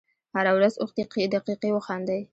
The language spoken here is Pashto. هره ورځ اووه دقیقې وخاندئ .